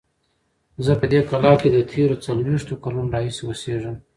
زه په دې کلا کې د تېرو څلوېښتو کلونو راهیسې اوسیږم.